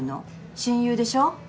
親友でしょ？